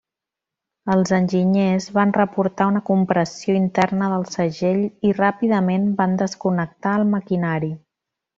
Els enginyers van reportar una compressió interna del segell i ràpidament van desconnectar el maquinari.